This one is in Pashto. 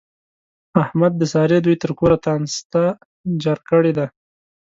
احمد د سارا دوی تر کوره تانسته جار کړې ده.